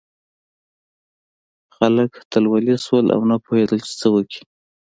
خلک تلولي شول او نه پوهېدل چې څه وکړي.